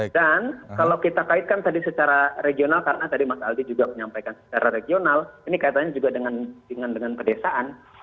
dan kalau kita kaitkan tadi secara regional karena tadi mas aldy juga menyampaikan secara regional ini kaitannya juga dengan dengan pedesaan